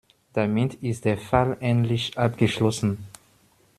Damit ist der Fall endlich abgeschlossen.